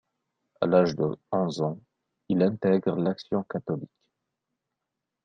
A l'âge de onze ans, il intègre l'Action catholique.